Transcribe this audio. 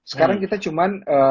sekarang kita cuma